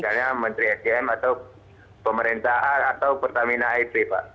misalnya menteri sdm atau pemerintah a atau pertamina a tiga pak